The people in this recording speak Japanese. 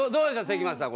関町さん